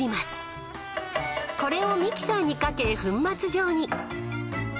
［これをミキサーにかけ粉末状に］